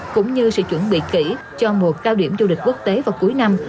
cũng như sự chuẩn bị kỹ cho mùa cao điểm du lịch quốc tế vào cuối năm